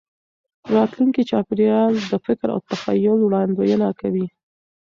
راتلونکي چاپېریال د فکر او تخیل وړاندوینه کوي.